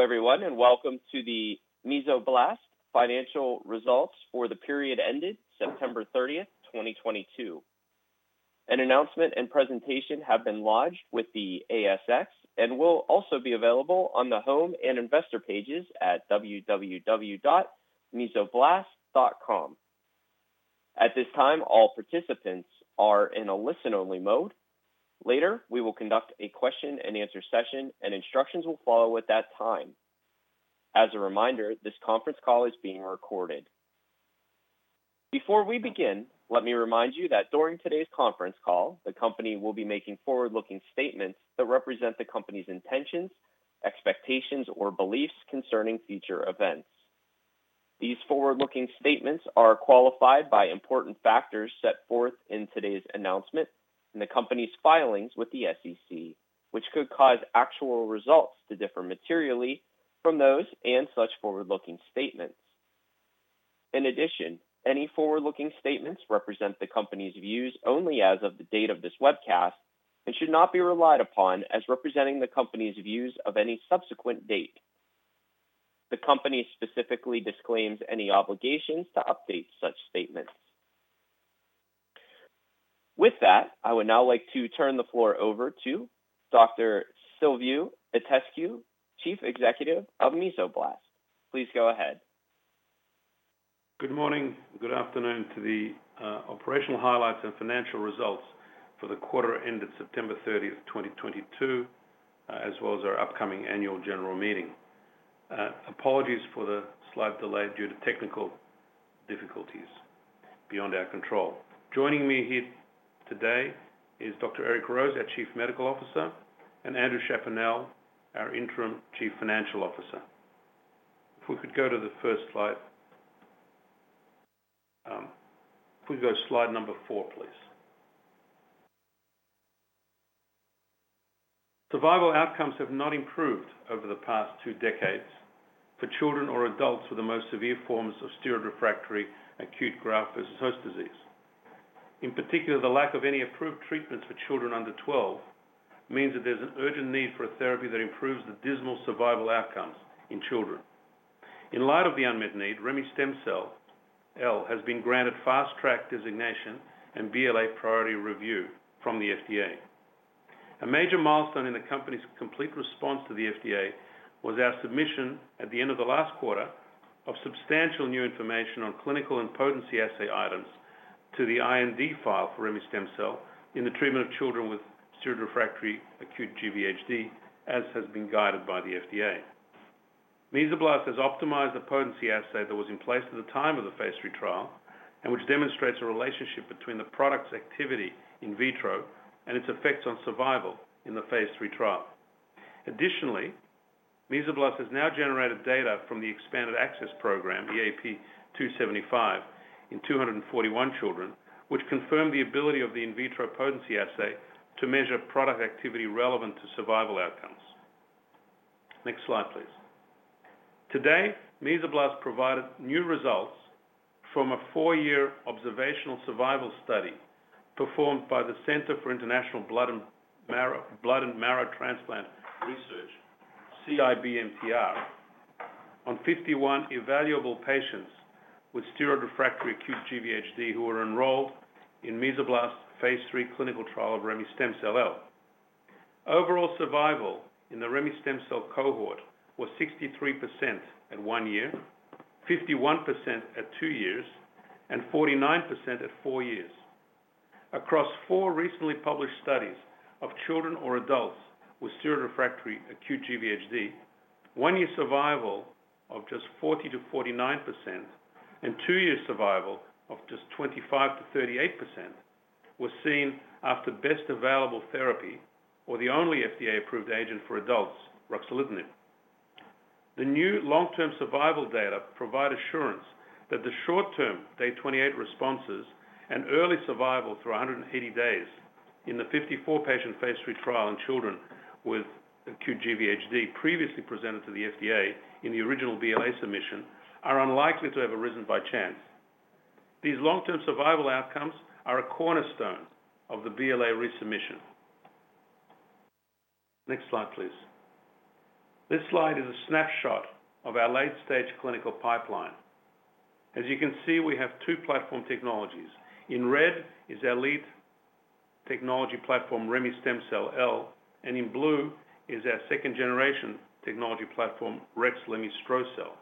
Hello, everyone, welcome to the Mesoblast financial results for the period ended September 30th, 2022. An announcement and presentation have been lodged with the ASX and will also be available on the home and investor pages at www.mesoblast.com. At this time, all participants are in a listen-only mode. Later, we will conduct a question and answer session, instructions will follow at that time. As a reminder, this conference call is being recorded. Before we begin, let me remind you that during today's conference call, the company will be making forward-looking statements that represent the company's intentions, expectations, or beliefs concerning future events. These forward-looking statements are qualified by important factors set forth in today's announcement in the company's filings with the SEC, which could cause actual results to differ materially from those and such forward-looking statements. Any forward-looking statements represent the company's views only as of the date of this webcast and should not be relied upon as representing the company's views of any subsequent date. The company specifically disclaims any obligations to update such statements. I would now like to turn the floor over to Dr. Silviu Itescu, Chief Executive of Mesoblast. Please go ahead. Good morning, good afternoon to the operational highlights and financial results for the quarter ended September 30th, 2022, as well as our upcoming annual general meeting. Apologies for the slight delay due to technical difficulties beyond our control. Joining me here today is Dr. Eric Rose, our Chief Medical Officer, and Andrew Chaponnel, our Interim Chief Financial Officer. If we could go to the first slide. If we could go to slide number 4, please. Survival outcomes have not improved over the past two decades for children or adults with the most severe forms of steroid-refractory acute graft versus host disease. In particular, the lack of any approved treatments for children under 12 means that there's an urgent need for a therapy that improves the dismal survival outcomes in children. In light of the unmet need, remestemcel-L has been granted Fast Track designation and BLA priority review from the FDA. A major milestone in the company's complete response to the FDA was our submission at the end of the last quarter of substantial new information on clinical and potency assay items to the IND file for remestemcel in the treatment of children with steroid-refractory acute GVHD, as has been guided by the FDA. Mesoblast has optimized the potency assay that was in place at the time of the phase III trial and which demonstrates a relationship between the product's activity in vitro and its effects on survival in the phase III trial. Mesoblast has now generated data from the Expanded Access Program, EAP 275, in 241 children, which confirm the ability of the in vitro potency assay to measure product activity relevant to survival outcomes. Next slide, please. Today, Mesoblast provided new results from a four-year observational survival study performed by the Center for International Blood and Marrow Transplant Research, CIBMTR, on 51 evaluable patients with steroid-refractory acute GVHD who were enrolled in Mesoblast phase III clinical trial of remestemcel-L. Overall survival in the remestemcel-L cohort was 63% at one year, 51% at two years, and 49% at four years. Across four recently published studies of children or adults with steroid-refractory acute GVHD, one-year survival of just 40%-49% and two-year survival of just 25%-38% was seen after best available therapy or the only FDA-approved agent for adults, ruxolitinib. The new long-term survival data provide assurance that the short-term day 28 responses and early survival through 180 days in the 54 patient phase III trial in children with acute GVHD previously presented to the FDA in the original BLA submission are unlikely to have arisen by chance. These long-term survival outcomes are a cornerstone of the BLA resubmission. Next slide, please. This slide is a snapshot of our late-stage clinical pipeline. As you can see, we have two platform technologies. In red is our lead technology platform, remestemcel-L, and in blue is our second-generation technology platform, rexlemestrocel-L,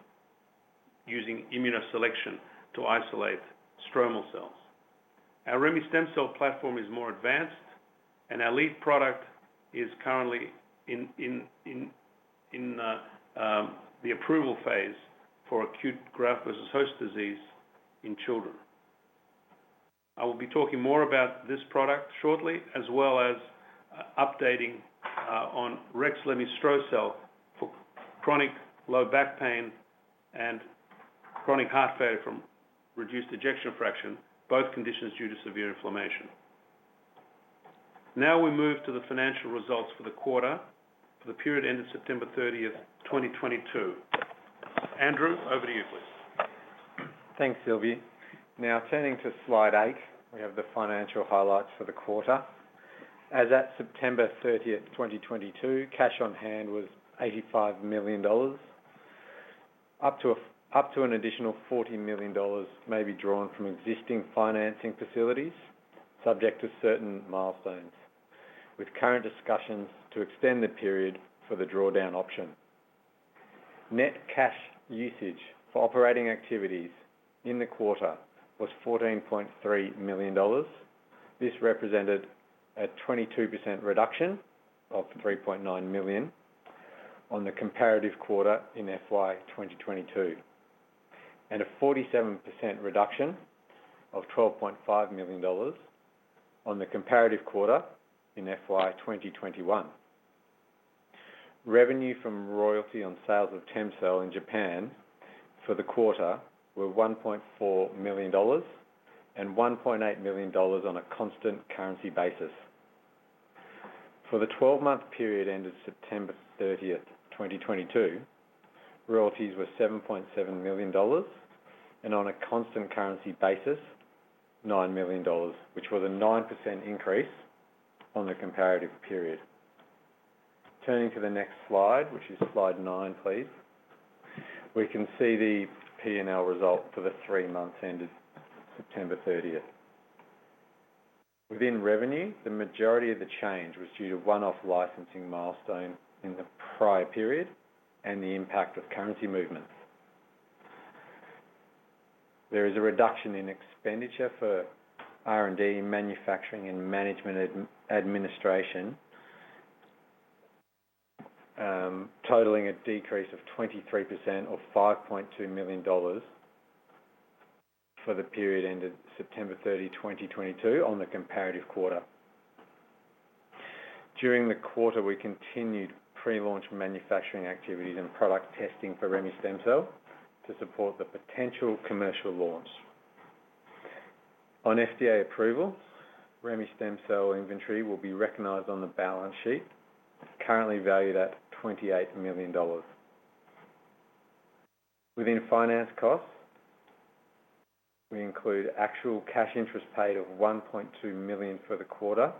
using immunoselection to isolate stromal cells. Our remestemcel platform is more advanced, and our lead product is currently in the approval phase for acute graft versus host disease in children. I will be talking more about this product shortly, as well as updating on rexlemestrocel-L for chronic low back pain and chronic heart failure from reduced ejection fraction, both conditions due to severe inflammation. Now we move to the financial results for the quarter for the period ending September 30, 2022. Andrew, over to you please. Thanks, Silviu. Turning to slide 8, we have the financial highlights for the quarter. As at September 30th, 2022, cash on hand was $85 million. Up to an additional $40 million may be drawn from existing financing facilities, subject to certain milestones, with current discussions to extend the period for the drawdown option. Net cash usage for operating activities in the quarter was $14.3 million. This represented a 22% reduction of $3.9 million on the comparative quarter in FY 2022, and a 47% reduction of $12.5 million on the comparative quarter in FY 2021. Revenue from royalty on sales of TEMCELL in Japan for the quarter were $1.4 million and $1.8 million on a constant currency basis. For the 12-month period ended September 30th, 2022, royalties were $7.7 million, and on a constant currency basis, $9 million, which was a 9% increase on the comparative period. Turning to the next slide, which is slide 9, please. We can see the P&L result for the three months ended September 30th. Within revenue, the majority of the change was due to one-off licensing milestone in the prior period and the impact of currency movements. There is a reduction in expenditure for R&D, manufacturing, and management administration, totaling a decrease of 23% or $5.2 million for the period ended September 30, 2022 on the comparative quarter. During the quarter, we continued pre-launch manufacturing activities and product testing for remestemcel-L to support the potential commercial launch. On FDA approval, remestemcel-L inventory will be recognized on the balance sheet, currently valued at $28 million. Within finance costs, we include actual cash interest paid of $1.2 million for the quarter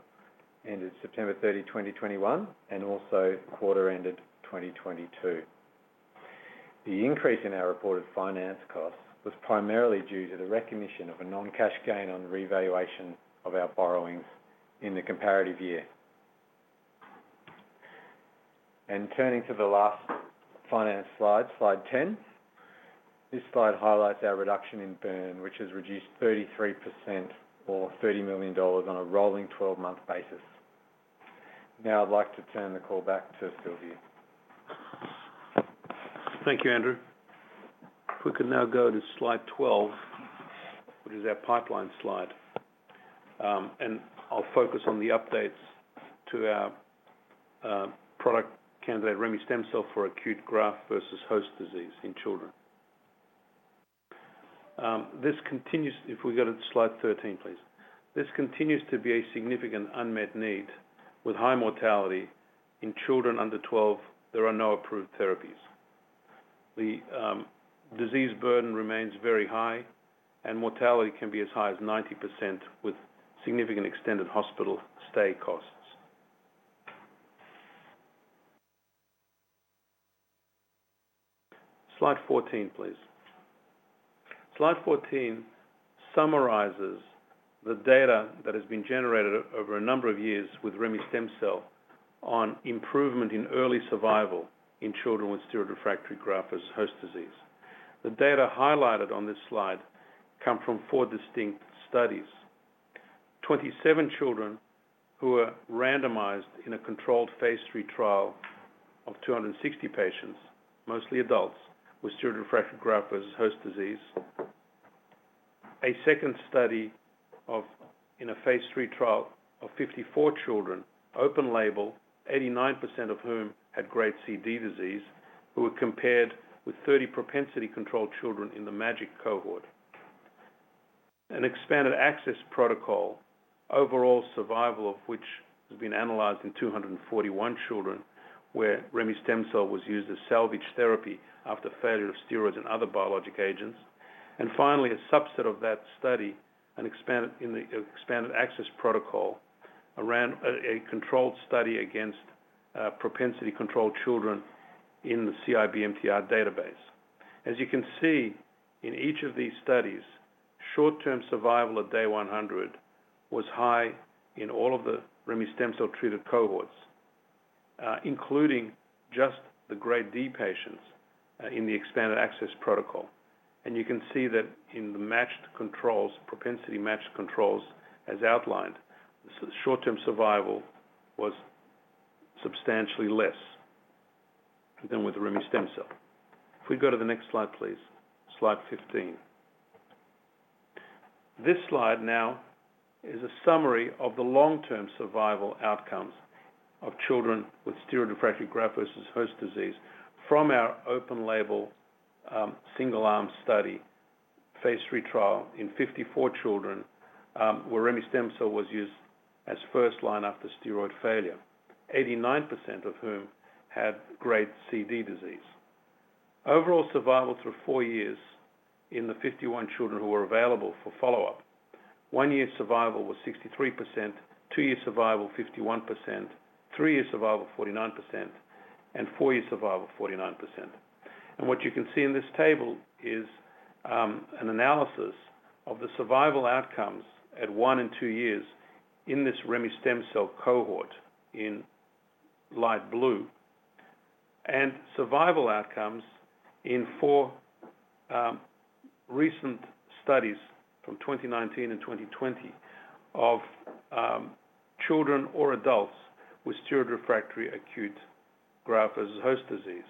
ended September 30, 2021, and also quarter ended 2022. The increase in our reported finance costs was primarily due to the recognition of a non-cash gain on revaluation of our borrowings in the comparative year. Turning to the last finance slide 10. This slide highlights our reduction in burn, which has reduced 33% or $30 million on a rolling 12-month basis. Now I'd like to turn the call back to Silviu. Thank you, Andrew. We can now go to slide 12, which is our pipeline slide. I'll focus on the updates to our product candidate, remestemcel-L, for acute graft versus host disease in children. This continues to be a significant unmet need with high mortality in children under 12, there are no approved therapies. The disease burden remains very high, and mortality can be as high as 90% with significant extended hospital stay costs. Slide 14, please. Slide 14 summarizes the data that has been generated over a number of years with remestemcel-L on improvement in early survival in children with steroid-refractory graft versus host disease. The data highlighted on this slide come from 4 distinct studies. 27 children who were randomized in a controlled phase III trial of 260 patients, mostly adults, with steroid-refractory graft versus host disease. A second study of, in a phase III trial of 54 children, open label, 89% of whom had grade C/D disease, who were compared with 30 propensity-controlled children in the MAGIC cohort. An Expanded Access protocol, overall survival of which has been analyzed in 241 children, where remestemcel-L was used as salvage therapy after failure of steroids and other biologic agents. Finally, a subset of that study, an expanded, in the Expanded Access protocol, ran a controlled study against propensity-controlled children in the CIBMTR database. As you can see, in each of these studies, short-term survival at day 100 was high in all of the remestemcel-L-treated cohorts, including just the grade D patients, in the Expanded Access Program. You can see that in the matched controls, propensity-matched controls as outlined, short-term survival was substantially less than with the remestemcel-L. If we go to the next slide, please. Slide 15. This slide now is a summary of the long-term survival outcomes of children with steroid-refractory acute graft versus host disease from our open label, single arm study phase III trial in 54 children, where remestemcel-L was used as first line after steroid failure, 89% of whom had grade CD disease. Overall survival through four years in the 51 children who were available for follow-up, one-year survival was 63%, two-year survival 51%, three-year survival 49%, and four-year survival 49%. What you can see in this table is an analysis of the survival outcomes at one and two years in this remestemcel-L cohort in light blue, and survival outcomes in four recent studies from 2019 and 2020 of children or adults with steroid-refractory acute graft versus host disease.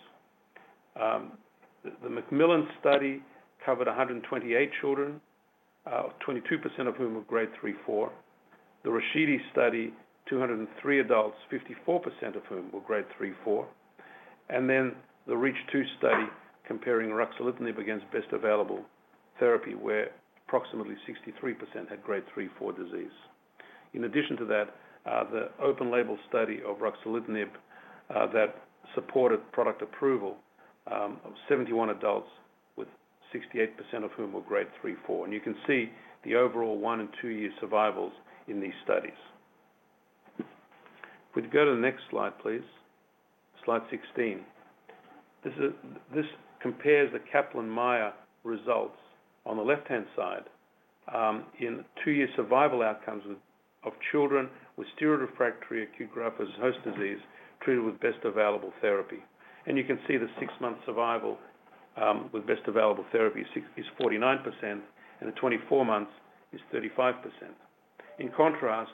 The McMillan study covered 128 children, 22% of whom were grade 3/4. The Rashidi study, 203 adults, 54% of whom were grade 3/4. The REACH2 study comparing ruxolitinib against best available therapy, where approximately 63% had grade 3/4 disease. In addition to that, the open label study of ruxolitinib that supported product approval, of 71 adults with 68% of whom were grade three/four. You can see the overall one and two-year survivals in these studies. If we go to the next slide, please. Slide 16. This compares the Kaplan-Meier results on the left-hand side, in two-year survival outcomes with, of children with steroid-refractory acute graft versus host disease treated with best available therapy. You can see the six-month survival with best available therapy six, is 49%, and at 24 months is 35%. In contrast,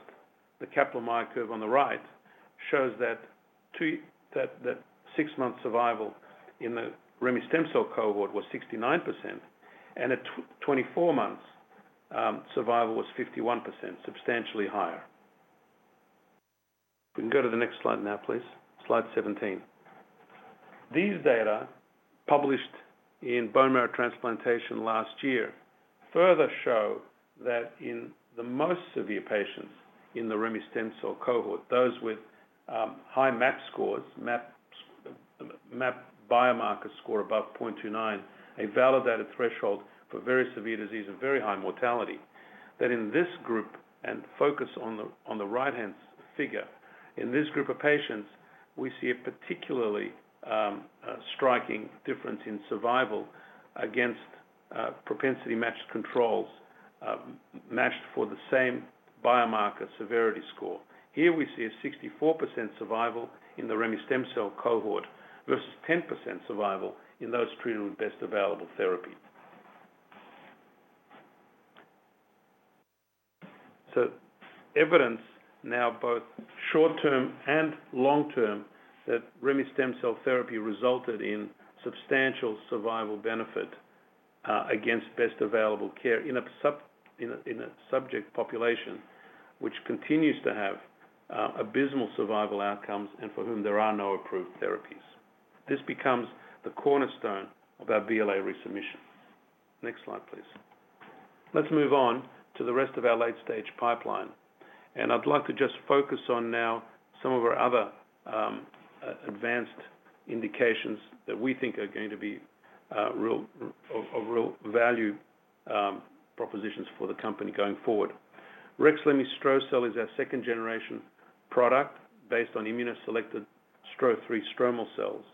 the Kaplan-Meier curve on the right shows that six-month survival in the remestemcel-L cohort was 69%, and at 24 months, survival was 51%, substantially higher. We can go to the next slide now, please. Slide 17. These data, published in Bone Marrow Transplantation last year, further show that in the most severe patients in the remestemcel-L cohort, those with high MAP scores, MAPs, MAP biomarker score above 0.29, a validated threshold for very severe disease and very high mortality, that in this group, and focus on the, on the right-hand figure, in this group of patients, we see a particularly striking difference in survival against propensity matched controls, matched for the same biomarker severity score. Here we see a 64% survival in the remestemcel-L cohort versus 10% survival in those treated with best available therapy. Evidence now both short-term and long-term that remestemcel-L therapy resulted in substantial survival benefit against best available care in a subject population which continues to have abysmal survival outcomes and for whom there are no approved therapies. This becomes the cornerstone of our BLA resubmission. Next slide, please. Let's move on to the rest of our late-stage pipeline. I'd like to just focus on now some of our other advanced indications that we think are going to be real value propositions for the company going forward. rexlemestrocel-L is our second-generation product based on immunoselected STRO-3 stromal cells.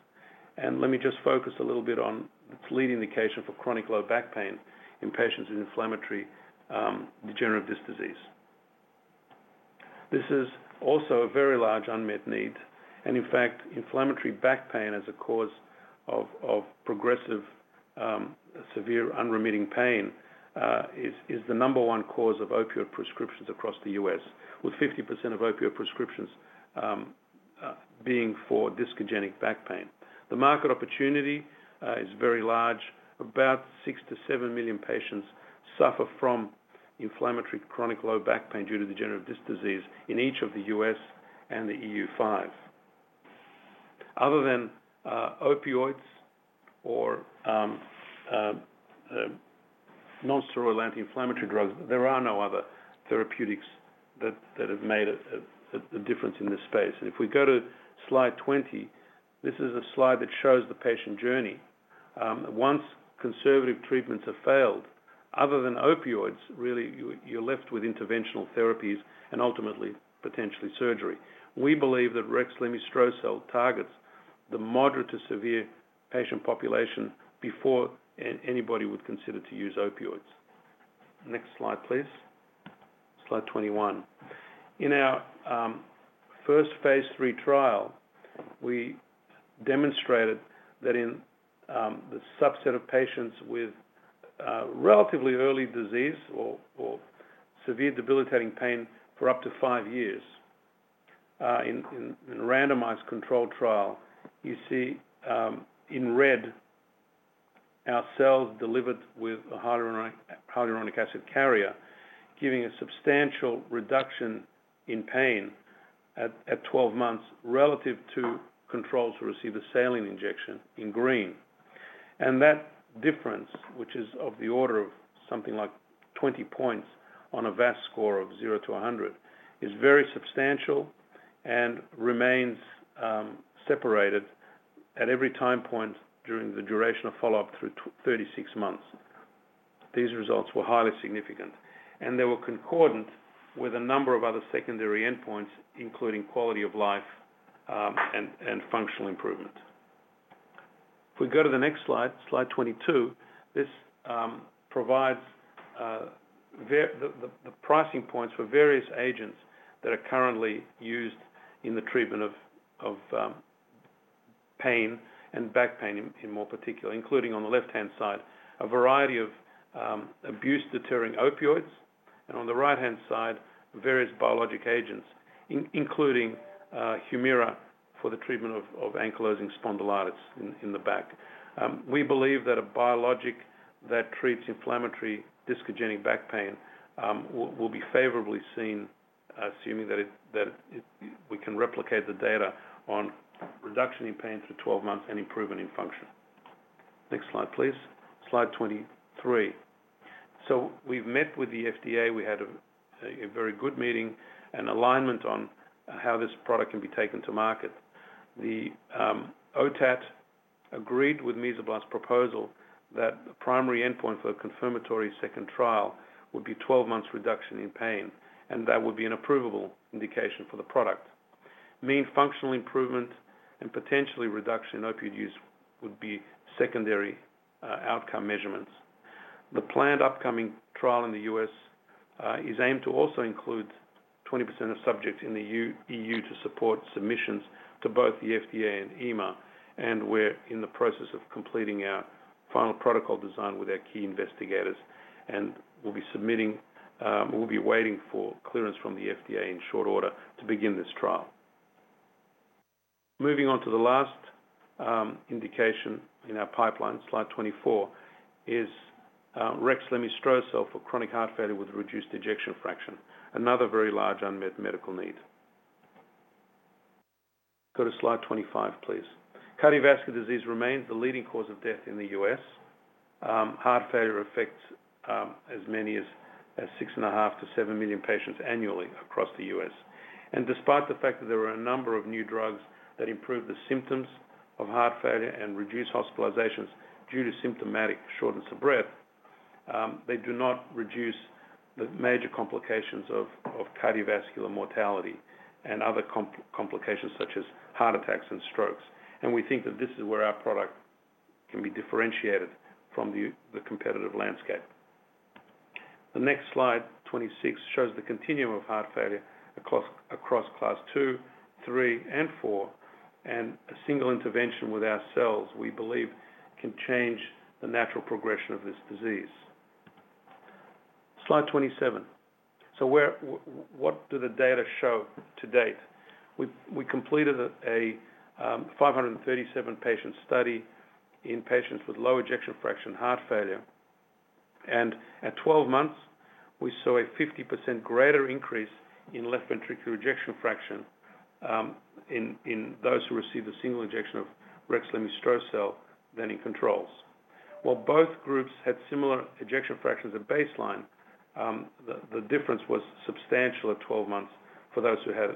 Let me just focus a little bit on its lead indication for chronic low back pain in patients with inflammatory degenerative disc disease. This is also a very large unmet need. In fact, inflammatory back pain as a cause of progressive, severe unremitting pain, is the number 1 cause of opioid prescriptions across the U.S., with 50% of opioid prescriptions being for discogenic back pain. The market opportunity is very large. About 6 million-7 million patients suffer from inflammatory chronic low back pain due to degenerative disc disease in each of the U.S. and the EU5. Other than opioids or non-steroidal anti-inflammatory drugs, there are no other therapeutics that have made a difference in this space. If we go to slide 20, this is a slide that shows the patient journey. Once conservative treatments have failed, other than opioids, really you're left with interventional therapies and ultimately potentially surgery. We believe that rexlemestrocel-L targets the moderate to severe patient population before anybody would consider to use opioids. Next slide, please. Slide 21. In our first phase III trial, we demonstrated that in the subset of patients with relatively early disease or severe debilitating pain for up to five years, in a randomized controlled trial, you see in red, our cells delivered with a hyaluronic acid carrier, giving a substantial reduction in pain at 12 months relative to controls who received a saline injection in green. That difference, which is of the order of something like 20 points on a VAS score of 0 to 100, is very substantial and remains separated at every time point during the duration of follow-up through 36 months. These results were highly significant. They were concordant with a number of other secondary endpoints, including quality of life, and functional improvement. If we go to the next slide 22, this provides the pricing points for various agents that are currently used in the treatment of pain and back pain in more particular, including on the left-hand side, a variety of abuse-deterring opioids, and on the right-hand side, various biologic agents including Humira for the treatment of ankylosing spondylitis in the back. We believe that a biologic that treats inflammatory discogenic back pain will be favorably seen, assuming that it we can replicate the data on reduction in pain through 12 months and improvement in function. Next slide, please. Slide 23. We've met with the FDA. We had a very good meeting and alignment on how this product can be taken to market. The OTAT agreed with Mesoblast's proposal that the primary endpoint for a confirmatory second trial would be 12 months reduction in pain, and that would be an approvable indication for the product. Mean functional improvement and potentially reduction in opioid use would be secondary outcome measurements. The planned upcoming trial in the U.S. is aimed to also include 20% of subjects in the E.U. to support submissions to both the FDA and EMA. We're in the process of completing our final protocol design with our key investigators. We'll be waiting for clearance from the FDA in short order to begin this trial. Moving on to the last indication in our pipeline, slide 24, is rexlemestrocel-L for chronic heart failure with reduced ejection fraction, another very large unmet medical need. Go to slide 25, please. Cardiovascular disease remains the leading cause of death in the U.S. Heart failure affects as many as 6.5 million-7 million patients annually across the U.S. Despite the fact that there are a number of new drugs that improve the symptoms of heart failure and reduce hospitalizations due to symptomatic shortness of breath, they do not reduce the major complications of cardiovascular mortality and other complications such as heart attacks and strokes. We think that this is where our product can be differentiated from the competitive landscape. The next slide, 26, shows the continuum of heart failure across class 2, 3, and 4. A single intervention with our cells, we believe, can change the natural progression of this disease. Slide 27. What do the data show to date? We completed a 537 patient study in patients with low ejection fraction heart failure. At 12 months, we saw a 50% greater increase in left ventricular ejection fraction in those who received a single ejection of rexlemestrocel-L than in controls. While both groups had similar ejection fractions at baseline, the difference was substantial at 12 months for those who had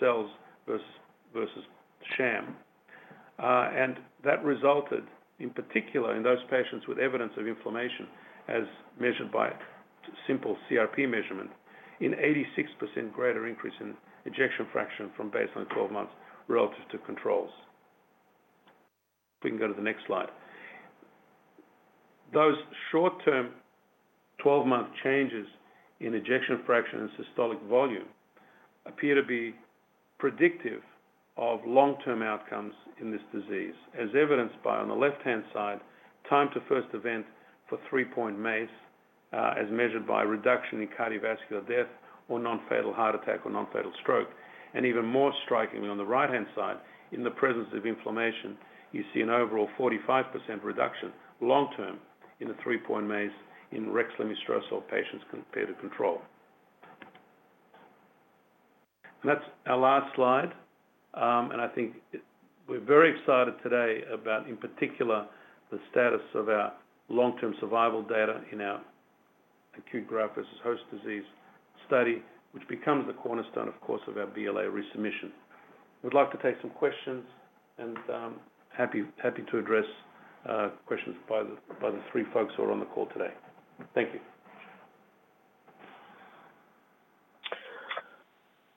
cells versus sham. That resulted, in particular in those patients with evidence of inflammation as measured by simple CRP measurement, in 86% greater increase in ejection fraction from baseline 12 months relative to controls. We can go to the next slide. Those short-term 12-month changes in ejection fraction and systolic volume appear to be predictive of long-term outcomes in this disease, as evidenced by, on the left-hand side, time to first event for three-point MACE, as measured by reduction in cardiovascular death or non-fatal heart attack or non-fatal stroke. Even more strikingly, on the right-hand side, in the presence of inflammation, you see an overall 45% reduction long-term in the three-point MACE in rexlemestrocel-L patients compared to control. That's our last slide. I think we're very excited today about, in particular, the status of our long-term survival data in our acute graft versus host disease study, which becomes the cornerstone, of course, of our BLA resubmission. We'd like to take some questions and happy to address questions by the three folks who are on the call today. Thank you.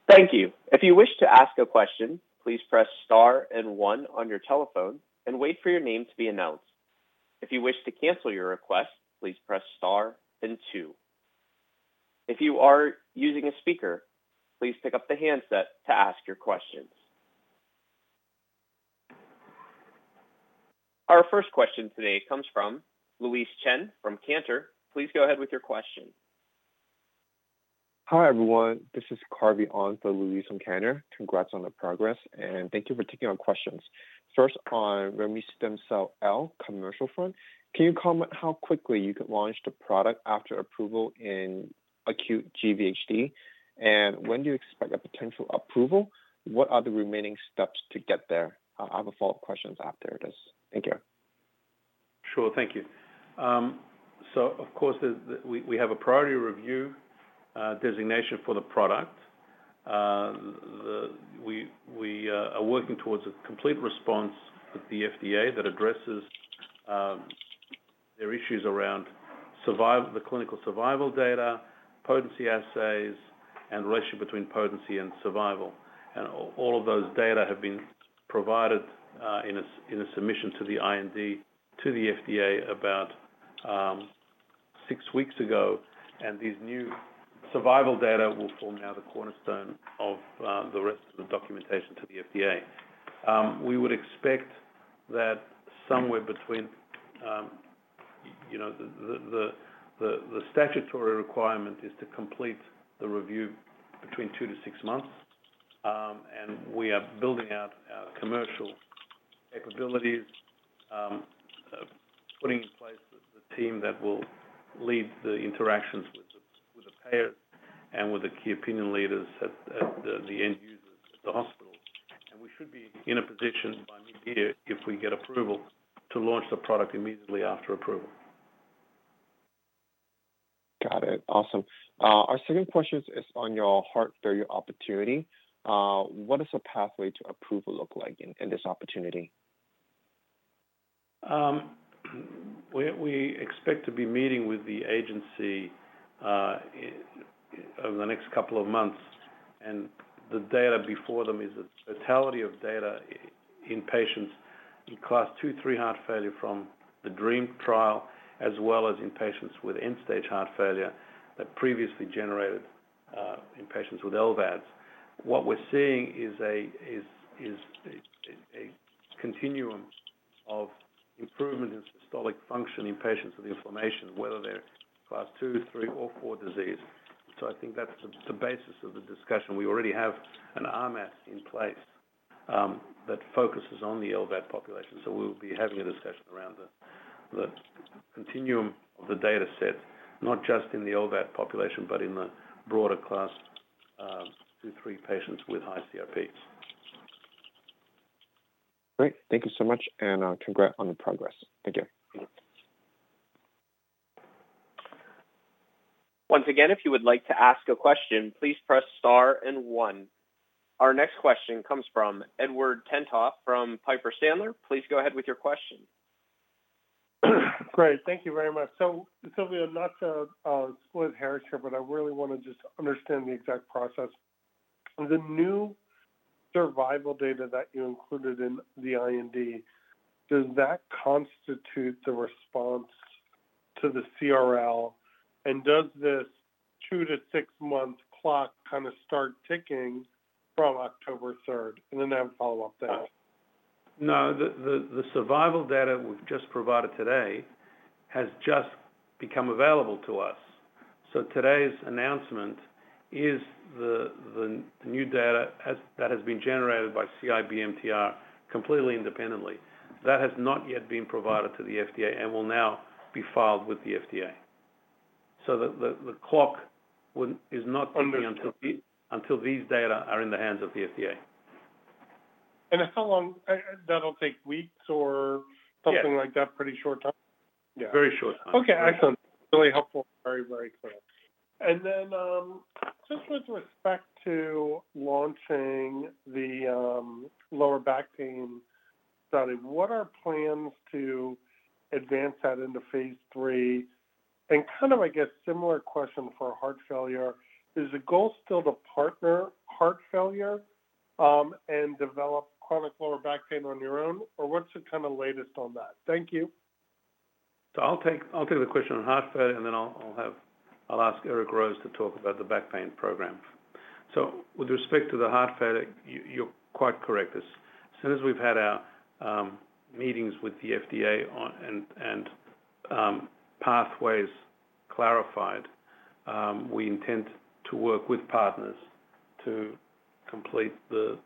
Thank you. If you wish to ask a question, please press star one on your telephone and wait for your name to be announced. If you wish to cancel your request, please press star two. If you are using a speaker, please pick up the handset to ask your questions. Our first question today comes from Louise Chen from Cantor Fitzgerald. Please go ahead with your question. Hi, everyone. This is Carvey on for Louise from Cantor. Congrats on the progress. Thank you for taking our questions. First, on remestemcel-L commercial front, can you comment how quickly you can launch the product after approval in acute GVHD? When do you expect a potential approval? What are the remaining steps to get there? I'll have a follow-up questions after this. Thank you. Sure. Thank you. Of course, we have a priority review designation for the product. We are working towards a complete response with the FDA that addresses their issues around the clinical survival data, potency assays, and the relationship between potency and survival. All of those data have been provided in a submission to the IND, to the FDA about six weeks ago. These new survival data will form now the cornerstone of the rest of the documentation to the FDA. We would expect that somewhere between, you know, the statutory requirement is to complete the review between two to six months. We are building out our commercial capabilities, putting in place the team that will lead the interactions with the payers and with the key opinion leaders at the end users at the hospital. We should be in a position by mid-year if we get approval to launch the product immediately after approval. Got it. Awesome. Our second question is on your heart failure opportunity. What does the pathway to approval look like in this opportunity? We expect to be meeting with the agency in, over the next couple of months. The data before them is the totality of data in patients in class 2, 3 heart failure from the DREAM-HF trial, as well as in patients with end-stage heart failure that previously generated in patients with LVADs. What we're seeing is a continuum of improvement in systolic function in patients with inflammation, whether they're class 2, 3, or 4 disease. I think that's the basis of the discussion. We already have an RMAT in place, that focuses on the LVAD population, so we'll be having a discussion around the continuum of the data set, not just in the LVAD population, but in the broader class, 2, 3 patients with high CRPs. Great. Thank you so much, and congrats on the progress. Thank you. Once again, if you would like to ask a question, please press star one. Our next question comes from Edward Tenthoff from Piper Sandler. Please go ahead with your question. Great. Thank you very much. Silviu, not to split hairs here, but I really wanna just understand the exact process. The new survival data that you included in the IND, does that constitute the response to the CRL? Does this two to six-month clock kinda start ticking from October third? Then I have a follow-up to that. No. The survival data we've just provided today has just become available to us. Today's announcement is the new data that has been generated by CIBMTR completely independently. That has not yet been provided to the FDA and will now be filed with the FDA. The clock is not ticking- Understood -until these data are in the hands of the FDA. How long? That'll take weeks or something like that? Yes. Pretty short time? Yeah. Very short time. Okay, excellent. Really helpful. Very, very clear. Then, just with respect to launching the lower back pain study, what are plans to advance that into phase III? Kind of, I guess, similar question for heart failure, is the goal still to partner heart failure, and develop chronic lower back pain on your own, or what's the kinda latest on that? Thank you. I'll take the question on heart failure, and then I'll ask Eric Rose to talk about the back pain program. With respect to the heart failure, you're quite correct. As soon as we've had our meetings with the FDA on and pathways clarified, we intend to work with partners to complete the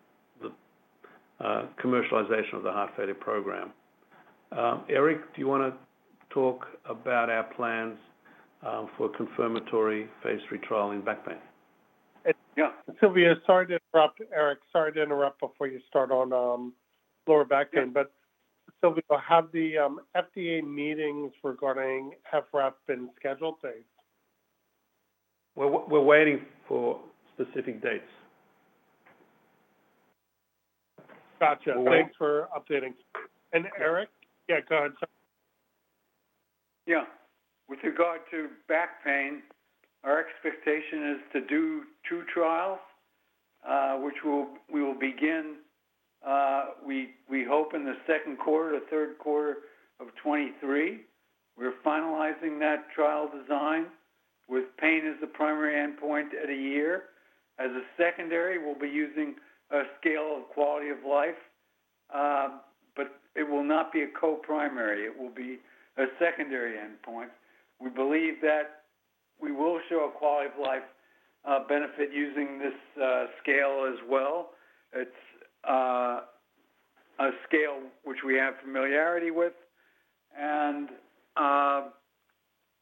commercialization of the heart failure program. Eric, do you wanna talk about our plans for confirmatory phase III trial in back pain? Yeah. Silviu, sorry to interrupt. Eric, sorry to interrupt before you start on lower back pain. Yeah. Silviu, have the FDA meetings regarding FVRAP been scheduled dates? We're waiting for specific dates. Gotcha. We're wai- Thanks for updating. Eric? Yeah, go ahead, sorry. Yeah. With regard to back pain, our expectation is to do two trials, which we will begin, we hope in the second quarter to third quarter of 2023. We're finalizing that trial design with pain as the primary endpoint at a year. As a secondary, we'll be using a scale of quality of life, but it will not be a co-primary, it will be a secondary endpoint. We believe that we will show a quality of life benefit using this scale as well. It's a scale which we have familiarity with, and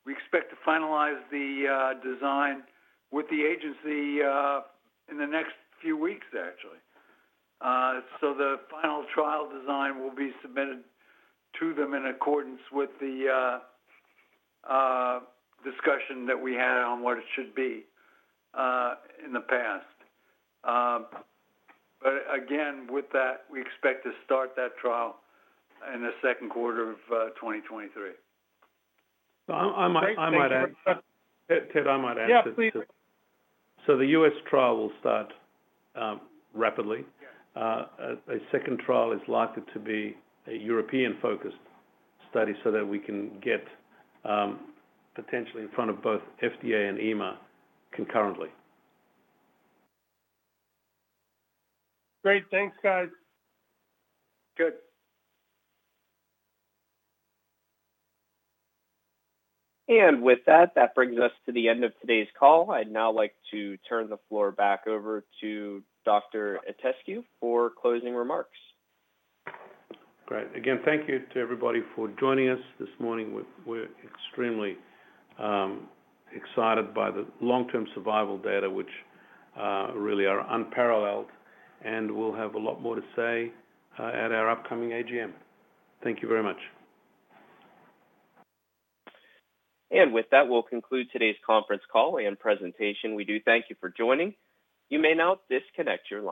we expect to finalize the design with the agency in the next few weeks, actually. The final trial design will be submitted to them in accordance with the discussion that we had on what it should be in the past. Again, with that, we expect to start that trial in the second quarter of 2023. I might. Great. Thank you, Eric. Ted, I might add. Yeah, please. The U.S. trial will start rapidly. Yeah. A second trial is likely to be a European-focused study so that we can get potentially in front of both FDA and EMA concurrently. Great. Thanks, guys. Good. With that brings us to the end of today's call. I'd now like to turn the floor back over to Dr. Itescu for closing remarks. Great. Again, thank you to everybody for joining us this morning. We're extremely excited by the long-term survival data, which really are unparalleled. We'll have a lot more to say at our upcoming AGM. Thank you very much. With that, we'll conclude today's conference call and presentation. We do thank you for joining. You may now disconnect your lines.